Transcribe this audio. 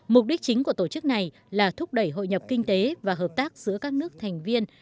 mục đích chính của tổ chức này là thúc đẩy hội nhập kinh tế và hợp tác giữa các nước thành viên